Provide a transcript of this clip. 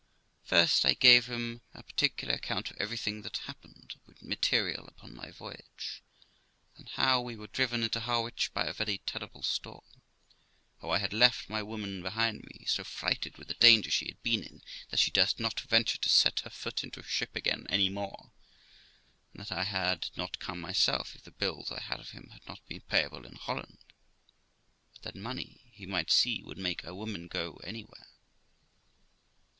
First, I gave him a particular account of everything that happened material upon my voyage, and how we were driven into Harwich by a very terrible storm; how I had left my woman behind me, so frighted with the danger she had been in, that she durst not venture to set her foot into a ship again any more, and that I had not come myself if the bills I had of him had not been payable in Holland ; but that money, he might see, would make a woman go anywhere.